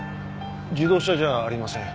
自動車じゃありません。